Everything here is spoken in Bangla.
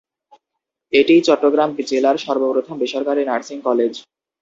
এটিই চট্টগ্রাম জেলার সর্বপ্রথম বেসরকারি নার্সিং কলেজ।